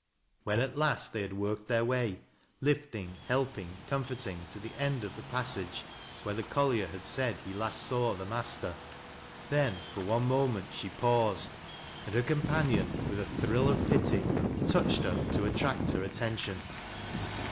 When at last they had worked flieir way —lifting, helping, comforting — to the end of tlie passage where the collier had said he last saw the master then, for one moment, she paused, and her companion, with a thiill of pity, touched her to attract her atten tion.